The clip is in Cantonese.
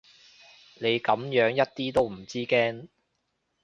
你噉樣一啲都唔知驚